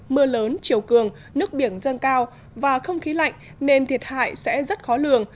mưa lớn chiều cường nước biển dâng cao và không khí lạnh nên thiệt hại sẽ rất khó lường